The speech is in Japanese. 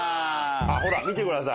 ほら見てください